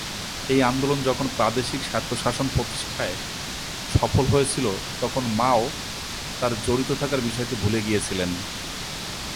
এই আন্দোলন যখন প্রাদেশিক স্বায়ত্তশাসন প্রতিষ্ঠায় সফল হয়েছিল, তখন মাও তার জড়িত থাকার বিষয়টি ভুলে গিয়েছিলেন।